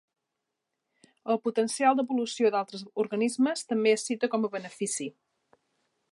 El potencial d'evolució d'altres organismes també es cita com a benefici.